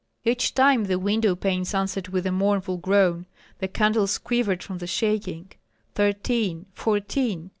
Each time the window panes answered with a mournful groan. The candles quivered from the shaking. "Thirteen, fourteen!